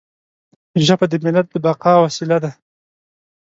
ژبه د ملت د بقا وسیله ده.